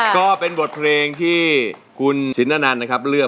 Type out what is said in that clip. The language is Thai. ก็เป็นบทเพลงที่คุณสิ้นนานันเรือบ